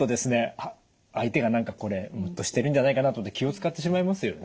あっ相手が何かこれムッとしてるんじゃないかなと思って気を遣ってしまいますよね。